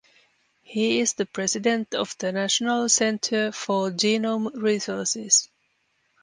He is the president of the National Center for Genome Resources.